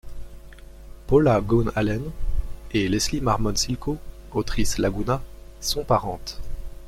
Paula Gunn Allen et Leslie Marmon Silko, autrice Laguna, sont parentes.